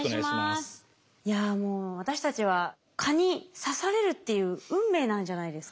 いやもう私たちは蚊に刺されるっていう運命なんじゃないですか？